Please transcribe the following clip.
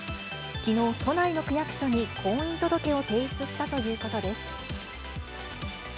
きのう、都内の区役所に婚姻届を提出したということです。